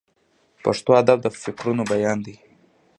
پښتو ادب د فکرونو بیان دی.